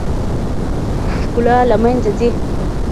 ښکلا له منځه ځي .